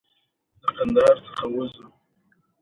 احتياط کوه، خټې دي